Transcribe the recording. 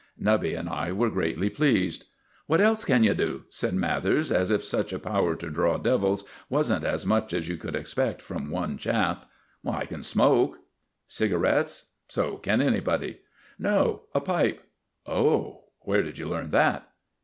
Nubby and I were greatly pleased. "What else can you do?" said Mathers, as if such a power to draw devils wasn't as much as you could expect from one chap. "I can smoke." "Cigarettes? So can anybody." "No; a pipe." "Oh! where did you learn that?"